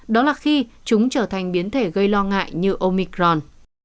đó là khi chúng trở thành biến thể gây lo ngại như omicron